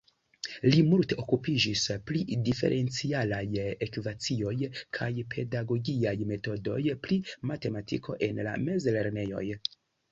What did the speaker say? Li multe okupiĝis pri diferencialaj ekvacioj kaj pedagogiaj metodoj pri matematiko en la mezlernejoj.